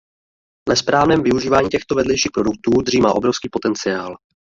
Ve správném využívání těchto vedlejších produktů dřímá obrovský potenciál.